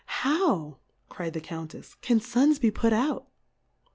How, crfd the Coun tefiy can Suns be put out